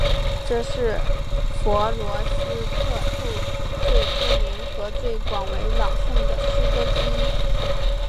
这是弗罗斯特最著名和最广为诵读的诗歌之一。